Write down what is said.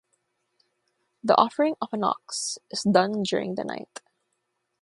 The offering of an ox is done during the night.